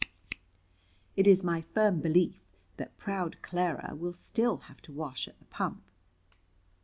"It is my firm belief that proud Clara will still have to wash at the pump."